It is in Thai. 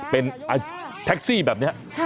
เป็นแท็กซี่แบบนี้